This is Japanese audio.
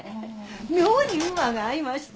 妙に馬が合いまして。